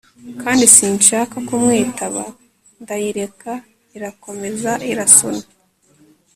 kandi sinshaka kumwitaba ndayireka irakomeza irasona